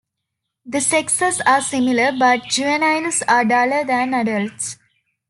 The sexes are similar, but juveniles are duller than adults.